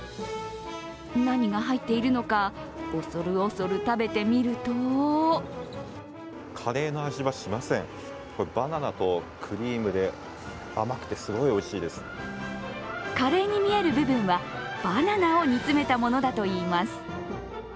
何が入っているのか恐る恐る食べてみるとカレーに見える部分はバナナを煮詰めたものだといいます。